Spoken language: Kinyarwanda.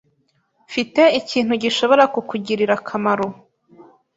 Mfite ikintu gishobora kukugirira akamaro.